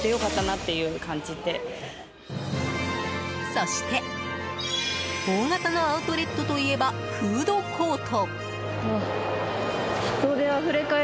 そして大型のアウトレットといえばフードコート！